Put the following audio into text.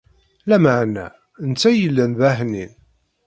Lameɛna, netta yellan d aḥnin.